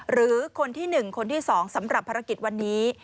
หรือคนที่๑คนที่๒สำหรับภารกิจวันนี้